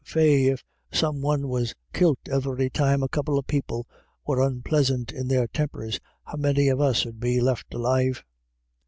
Faix, if some one was kilt every time a couple of people were onplisant in their tempers, how many of us 'ud be left alive